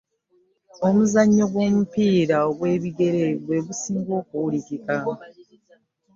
Omuzannyo gw'omupiira gw'ebigere gwe gusinga okuwulikika.g